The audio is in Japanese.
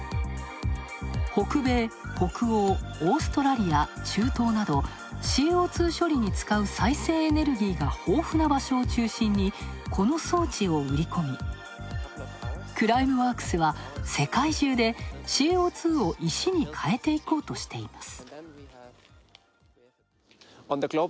北米、北欧、オーストラリア、中東など、ＣＯ２処理に使う再生エネルギーが豊富な場所を中心に、この装置を売り込み、クライムワークスは世界中でＣＯ２を石に変えていこうとしています。